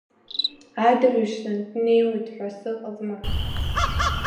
Адырҩаены днеиуеит ҳәа сыҟазма…